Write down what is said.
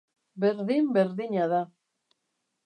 Berdin-berdina da.